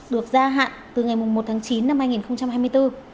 được gia hạn từ ngày một tháng chín năm hai nghìn hai mươi bốn